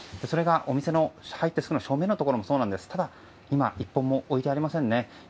それが、お店の入ってすぐ正面のところもそうなんですが今、１本も置いてありません。